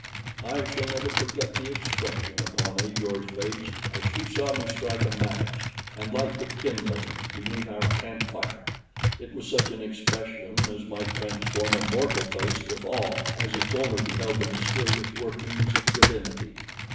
I shall never forget the expression upon Ajor's face as she saw me strike a match and light the kindling beneath our camp fire. It was such an expression as might transform a mortal face with awe as its owner beheld the mysterious workings of divinity.